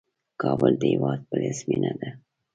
کابل د هیواد پلازمینه ده